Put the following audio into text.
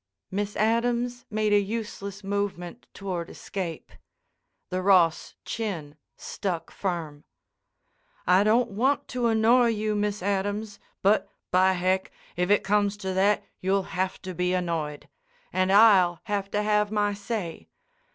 Miss Adams made a useless movement toward escape. The Ross chin stuck firm. "I don't want to annoy you, Miss Adams, but, by heck, if it comes to that you'll have to be annoyed. And I'll have to have my say.